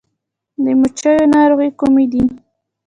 د مچیو ناروغۍ کومې دي؟